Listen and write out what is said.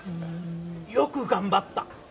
よく頑張った！